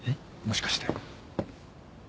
もしかして。